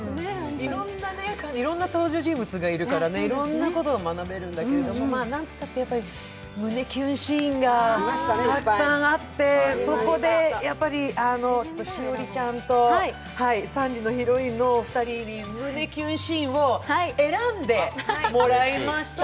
いろんな登場人物がいるから、いろんなことが学べるんだけど、何たって、胸キュンシーンがたくさんあって、そこで、栞里ちゃんと３時のヒロインの２人に胸キュンシーンを選んでもらいました。